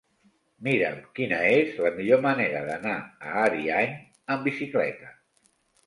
Mira'm quina és la millor manera d'anar a Ariany amb bicicleta.